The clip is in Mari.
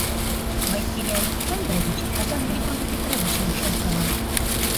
Василий Александрович адак Григорий Петровичым шылтала: